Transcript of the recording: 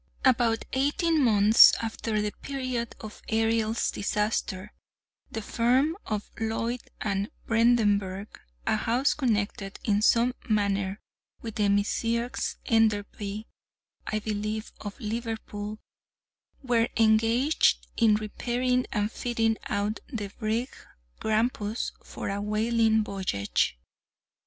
About eighteen months after the period of the Ariel's disaster, the firm of Lloyd and Vredenburgh (a house connected in some manner with the Messieurs Enderby, I believe, of Liverpool) were engaged in repairing and fitting out the brig Grampus for a whaling voyage.